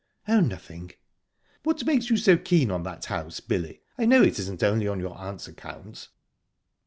"Oh, nothing." "What makes you so keen on that house, Billy? I know it isn't only on your aunt's account."